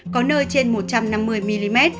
có nơi trên một trăm năm mươi mm